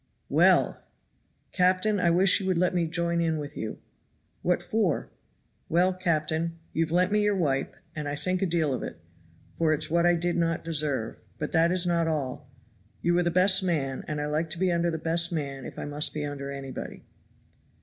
"Well!" "Captain, I wish you would let me join in with you!" "What for?" "Well, captain, you've lent me your wipe, and I think a deal of it, for it's what I did not deserve; but that is not all. You are the best man, and I like to be under the best man if I must be under anybody."